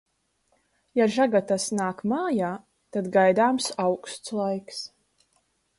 Ja žagatas nāk mājā, tad gaidāms auksts laiks.